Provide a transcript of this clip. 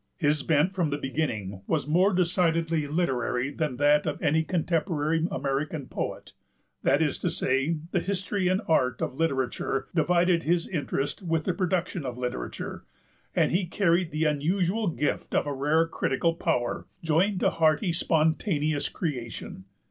His bent from the beginning was more decidedly literary than that of any contemporary American poet. That is to say, the history and art of literature divided his interest with the production of literature, and he carried the unusual gift of a rare critical power, joined to hearty spontaneous creation.